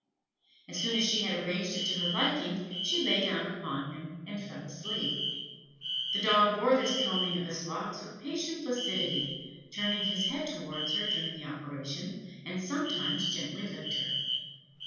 As soon as she had arranged it to her liking, she lay down upon him, and fell asleep. The dog bore this combing of his locks with patient placidity, turning his head towards her during the operation, and sometimes gently licked her.